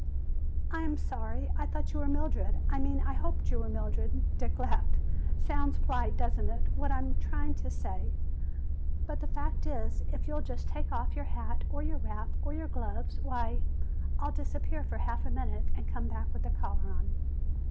"I am sorry. I thought you were Mildred. I mean, I hoped you were Mildred." Dick laughed. "Sounds polite, doesn't it, what I am trying to say? But the fact is, if you'll just take off your hat or your wrap, or your gloves, why, I'll disappear for half a minute and come back with a collar on."